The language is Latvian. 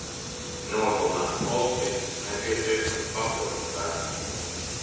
Nogalināts policists. Nepieciešami papildspēki.